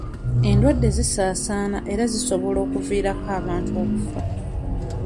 Endwadde zisaasaana era zisobola okuviirako abantu okufa.